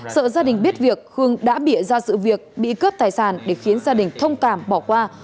sợ gia đình biết việc khương đã bịa ra sự việc bị cướp tài sản để khiến gia đình thông cảm bỏ qua